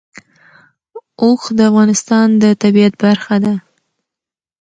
اوښ د افغانستان د طبیعت برخه ده.